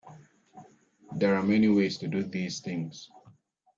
There are many ways to do these things.